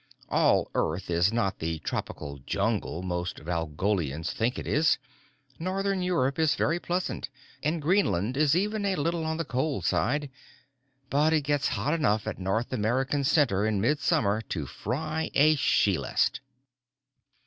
All Earth is not the tropical jungle most Valgolians think it is northern Europe is very pleasant, and Greenland is even a little on the cold side but it gets hot enough at North America Center in midsummer to fry a shilast.